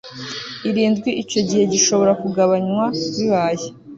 irindwi Icyo gihe gishobora kugabanywa bibaye